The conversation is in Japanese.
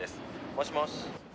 「もしもし」